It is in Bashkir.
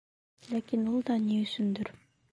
Ләкин ул да ни өсөндөр: